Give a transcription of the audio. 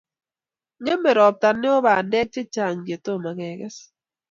Ngemie robta neo bandek che chang' che tomo keges